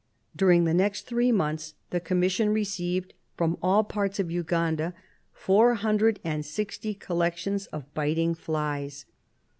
During the next three months the Commission received from all parts of Uganda 460 collections of biting flies.